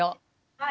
はい。